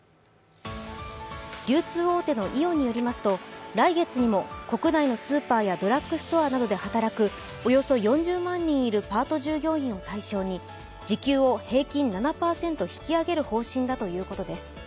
流通大手のイオンによりますと来月にも国内のスーパーやドラッグストアなどで働くおよそ４０万人いるパート従業員を対象に、時給を平均７％引き上げる方針だということです。